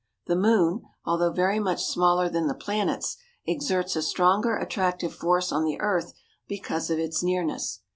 The moon, although very much smaller than the planets, exerts a stronger attractive force on the earth because of its nearness.